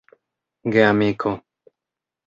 geamiko